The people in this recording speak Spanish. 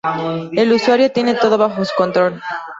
El usuario tiene todo bajo su control.